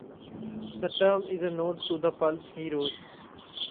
The term is a nod to the pulp heroes.